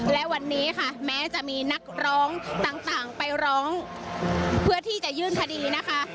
และวันนี้ค่ะแม้จะมีนักร้องต่างไปร้องเพื่อที่จะยื่นคดีนะคะ